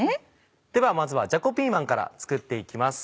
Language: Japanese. ではまずはじゃこピーマンから作っていきます。